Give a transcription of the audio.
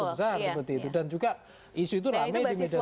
besar seperti itu dan juga isu itu rame di media sosial